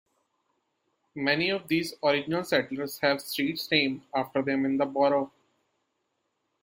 Many of these original settlers have streets named after them in the borough.